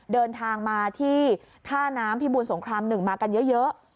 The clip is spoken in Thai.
เดินทางมาที่ท่าน้ำพิบูรสงคราม๑มากันเยอะ